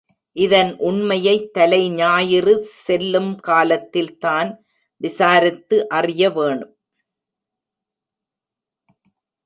இதன் உண்மையைத் தலைஞாயிறு செல்லும் காலத்தில் தான் விசாரித்து அறிய வேணும்.